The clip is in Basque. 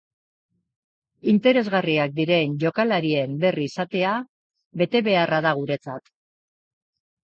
Interesgarriak diren jokalarien berri izatea betebeharra da guretzat.